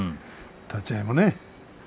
立ち合いもね。